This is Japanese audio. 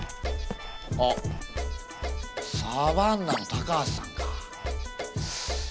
あっサバンナの高橋さんか。